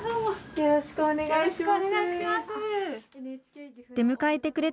よろしくお願いします。